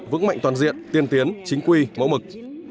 vững mạnh toàn diện tiên tiến chính quy mẫu mực